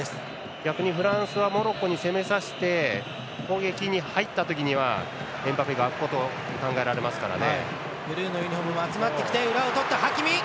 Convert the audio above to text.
逆にフランスはモロッコに攻めさせて攻撃に入った時にはエムバペが空きますからね。